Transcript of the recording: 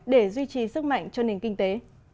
để duy trì sức mạnh cho nền kinh tế